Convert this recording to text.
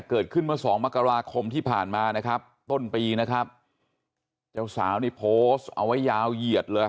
เกิดขึ้นเมื่อสองมกราคมที่ผ่านมานะครับต้นปีนะครับเจ้าสาวนี่โพสต์เอาไว้ยาวเหยียดเลย